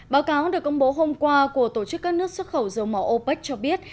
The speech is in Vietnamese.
báo cáo được công bố hôm qua của tổ chức các nước xuất khẩu dầu mỏ opec cho biết